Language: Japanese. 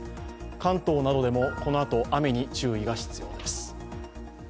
関東などでも、このあと雨に注意が必要です。